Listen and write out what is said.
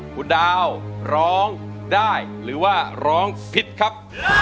คุณดาวร้องได้หรือว่าร้องผิดครับ